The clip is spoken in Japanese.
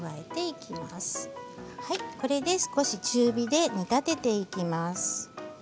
これで少し中火で煮立てていきます。